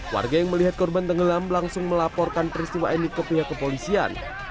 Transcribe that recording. warga yang melihat korban tenggelam langsung melaporkan peristiwa ini ke pihak kepolisian